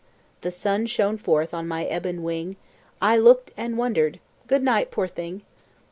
The sun shone forth on my ebon wing; I looked and wondered good night, poor thing!"